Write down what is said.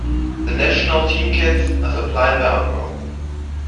The national team kits are supplied by Umbro.